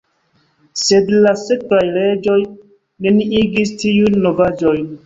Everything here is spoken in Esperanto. Sed la sekvaj reĝoj neniigis tiujn novaĵojn.